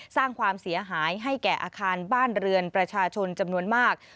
สร้างความเสียหายให้แก่อาคารบ้านเรือนประชาชนจำนวนมาก